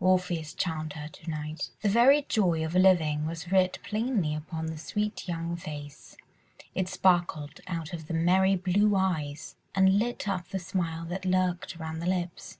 Orpheus charmed her to night. The very joy of living was writ plainly upon the sweet young face, it sparkled out of the merry blue eyes and lit up the smile that lurked around the lips.